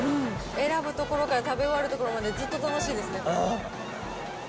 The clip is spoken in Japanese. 選ぶところから食べ終わるところまで、ずっと楽しいですね、これ。